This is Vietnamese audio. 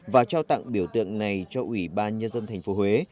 và trao tặng biểu tượng này cho ủy ban nhân dân thành phố huế